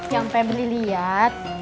yang peb liat